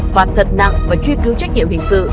phạt thật nặng và truy cứu trách nhiệm hình sự